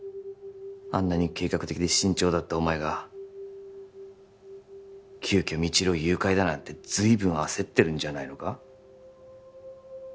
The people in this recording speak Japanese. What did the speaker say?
あんなに計画的で慎重だったお前が急きょ未知留を誘拐だなんてずいぶん焦ってるんじゃないのか？